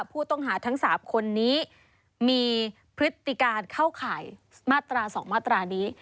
ผู้ต้องหาทั้ง๓คนนี้มีพฤติการเข้าข่ายมาตรา๒มาตรานี้